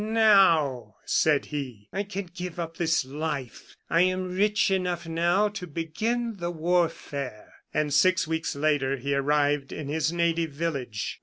"Now," said he, "I can give up this life. I am rich enough, now, to begin the warfare." And six weeks later he arrived in his native village.